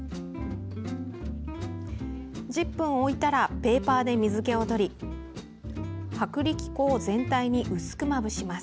１０分置いたらペーパーで水けを取り薄力粉を全体に薄くまぶします。